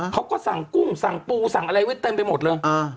เขาก็สั่งกุ้งสั่งปูสั่งอะไรไว้เต็มไปหมดเลย